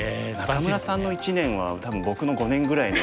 仲邑さんの１年は多分僕の５年ぐらいの。